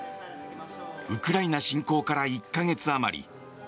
ウクライナ侵攻から１か月あまり。